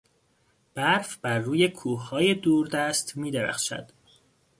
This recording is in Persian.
برف برروی کوههای دوردست میدرخشد.